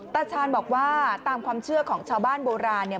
ตาชาญบอกว่าตามความเชื่อของชาวบ้านโบราณเนี่ย